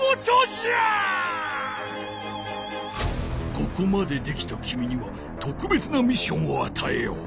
ここまでできたきみにはとくべつなミッションをあたえよう。